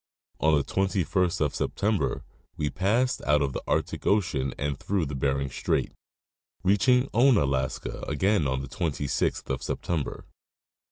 On the 21st of September we passed out of the Arctic ocean and through Bering Strait, reaching Ounalaska again on the 26th of September.